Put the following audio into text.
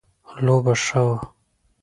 لوبه ښه وه